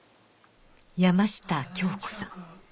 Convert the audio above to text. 山下京子さん